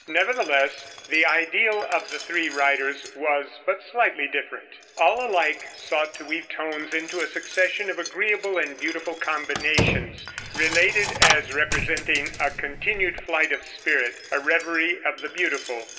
Nevertheless, the ideal of the three writers was but slightly different. All alike sought to weave tones into a succession of agreeable and beautiful combinations, related as representing a continued flight of spirit a reverie of the beautiful.